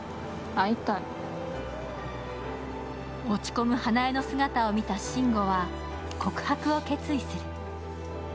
落ち込む花枝の姿を見た慎吾は、告白を決意する。